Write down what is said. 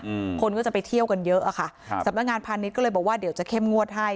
อืมคนก็จะไปเที่ยวกันเยอะอ่ะค่ะครับสำนักงานพาณิชย์ก็เลยบอกว่าเดี๋ยวจะเข้มงวดให้